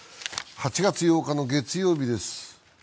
８月８日の月曜日です。